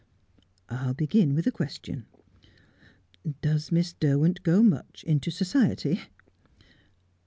"I'll begin with a question. Does Miss Derwent go much into society?"